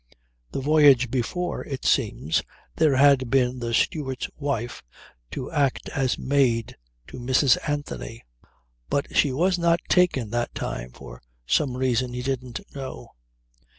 The voyage before, it seems, there had been the steward's wife to act as maid to Mrs. Anthony; but she was not taken that time for some reason he didn't know.